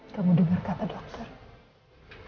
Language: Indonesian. kamu dengar kata dokter